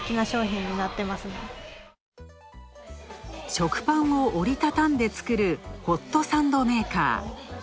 食パンを折りたたんで作る、ホットサンドメーカー。